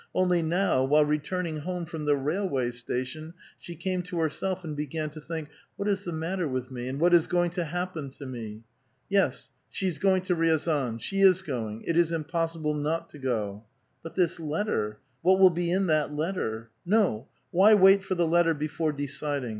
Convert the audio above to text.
Only now, while returning* home from the railway station, she came to herself, and began to think, ''What is the matter with me, and what is going to happen to me ?" Yes, she is going to Riazan. She is going ; it is impossi ble not to go. But this letter; what will be in that letter? No; wh}' wait for the letter before deciding?